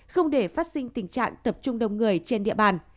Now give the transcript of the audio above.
không để phát sinh tình trạng tập trung đông người trên địa bàn